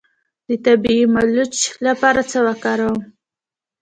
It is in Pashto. د طبیعي ملچ لپاره څه وکاروم؟